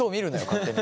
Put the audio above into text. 勝手に。